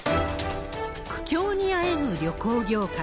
苦境にあえぐ旅行業界。